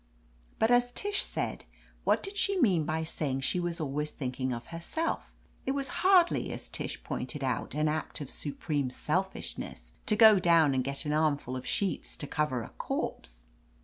But as Tish said, what did she mean by saying she was always thinking of herself? It was hardly, as Tish pointed out, an act of supreme selfishness to go down and get an armful of sheets to cover a corpse